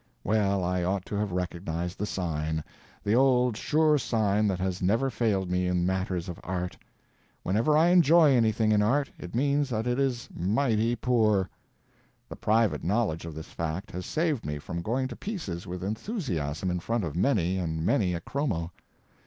Well, I ought to have recognized the sign—the old, sure sign that has never failed me in matters of art. Whenever I enjoy anything in art it means that it is mighty poor. The private knowledge of this fact has saved me from going to pieces with enthusiasm in front of many and many a chromo.